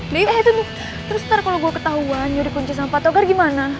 nah yuk eh itu nih terus ntar kalo gua ketahuan dia dikunci sama patogar gimana